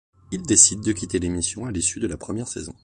Il décide de quitter l'émission à l'issue de la première saison.